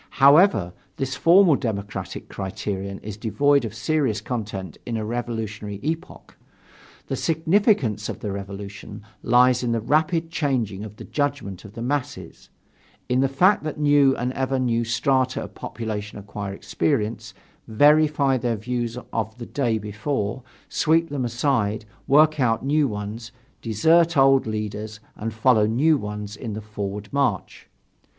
However, this formal democratic criterion is devoid of serious content in a revolutionary epoch. The significance of the Revolution lies in the rapid changing of the judgment of the masses, in the fact that new and ever new strata of population acquire experience, verify their views of the day before, sweep them aside, work out new ones, desert old leaders and follow new ones in the forward march.